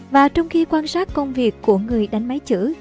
và trong khi quan sát công việc của người đánh máy chữ